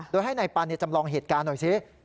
โดยให้นายปันจำลองเหตุการณ์หน่อยสิ